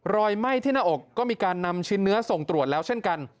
ไหม้ที่หน้าอกก็มีการนำชิ้นเนื้อส่งตรวจแล้วเช่นกัน